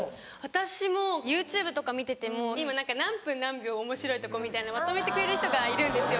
私もＹｏｕＴｕｂｅとか見てても今「何分何秒がおもしろいとこ」みたいなまとめてくれる人がいるんですよ。